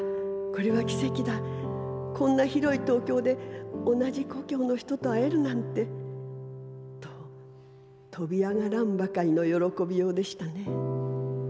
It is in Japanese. これは奇跡だこんな広い東京で同じ故郷の人と会えるなんてととびあがらんばかりの喜びようでしたね。